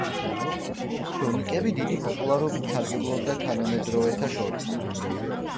ქრონიკები დიდი პოპულარობით სარგებლობდა თანამედროვეთა შორის.